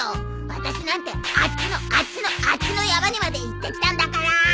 私なんてあっちのあっちのあっちの山にまで行ってきたんだから！